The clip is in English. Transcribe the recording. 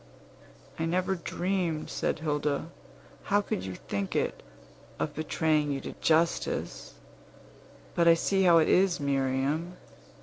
"I never dreamed," said Hilda, "how could you think it? of betraying you to justice. But I see how it is, Miriam.